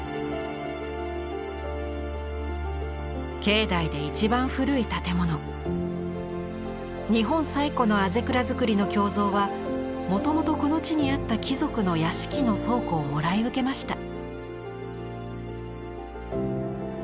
境内で一番古い建物日本最古の校倉造りの経蔵はもともとこの地にあった貴族の屋敷の倉庫をもらい受けました。